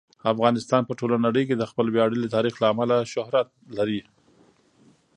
افغانستان په ټوله نړۍ کې د خپل ویاړلي تاریخ له امله پوره شهرت لري.